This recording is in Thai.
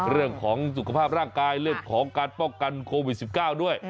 เรื่องของสุขภาพร่างกายเรื่องของการป้องกันโควิด๑๙ด้วย